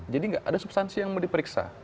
jadi nggak ada substansi yang mau diperiksa